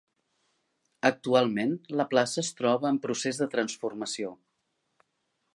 Actualment la plaça es troba en procés de transformació.